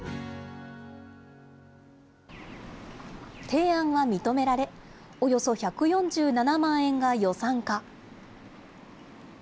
提案は認められ、およそ１４７万円が予算化。